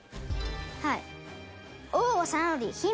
はい。